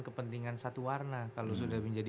kepentingan satu warna kalau sudah menjadi